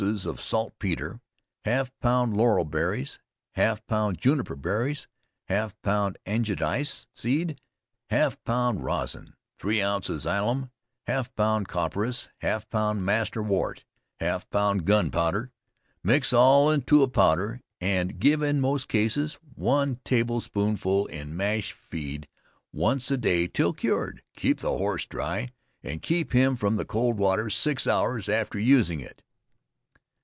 of saltpetre, half lb. laurel berries, half lb. juniper berries, half lb. angetice seed, half lb. rosin, 3 oz. alum, half lb. copperas, half lb. master wort, half lb. gun powder. Mix all to a powder and give in the most cases, one table spoonful in mash feed once a day till cured. Keep the horse dry, and keep him from the cold water six hours after using it.